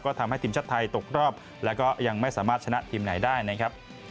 ก็ทำให้ทีมชาติไทยตกรอบแล้วก็ยังไม่สามารถชนะทีมไหนได้นะครับ